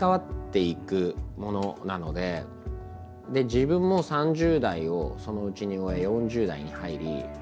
自分も３０代をそのうちに終え４０代に入り。